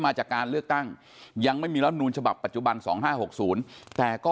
มาจากการเลือกตั้งยังไม่มีรัฐนูลฉบับปัจจุบัน๒๕๖๐แต่ก็